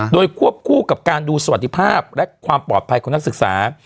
โดยควบคู่กับการดูสวัสดีภาพและความปลอดภัยของนักศึกษา